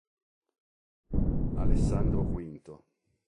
Alessandro V